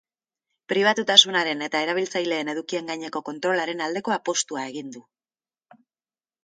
Pribatutasunaren eta erabiltzaileen edukien gaineko kontrolaren aldeko apustua egin du.